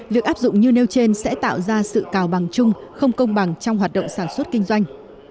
việc áp dụng như nêu trên sẽ tạo ra sự cào bằng chung không công bằng trong hoạt động sản xuất kinh doanh